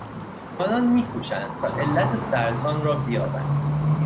آنان میکوشند تا علت سرطان را بیابند.